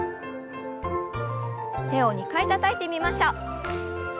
手を２回たたいてみましょう。